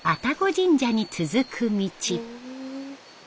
神社に続く道。